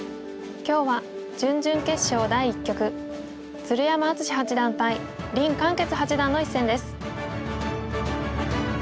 今日は準々決勝第１局鶴山淳志八段対林漢傑八段の一戦です。